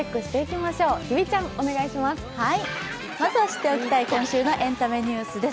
まず知っておきたい今週のエンタメニュースです。